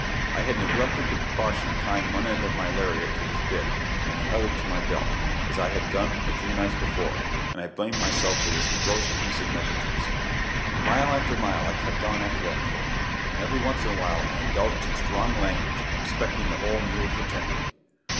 I had neglected the precaution of tying one end of my lariat to his bit and the other to my belt, as I had done a few nights before, and I blamed myself for this gross piece of negligence. Mile after mile I kept on after that mule, and every once in a while I indulged in strong language respecting the whole mule fraternity.